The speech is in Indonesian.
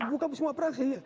bukan semua fraksi